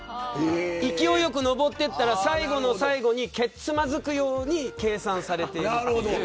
勢いよく登っていったら最後の最後にけつまずくように計算されている。